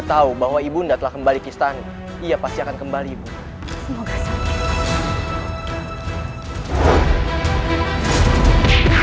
ibu saya sangat ingin menangkan dia ibu saya sangat ingin menangkan dia